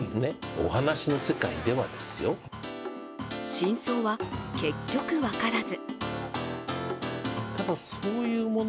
真相は結局、分からず。